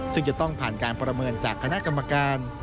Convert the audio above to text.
ซึ่งจะต้องผ่านการประเมินจากคณะกรรมการ